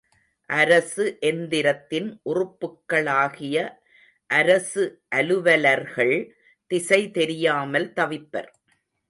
அரசு எந்திரத்தின் உறுப்புக்களாகிய அரசு அலுவலர்கள் திசை தெரியாமல் தவிப்பர்.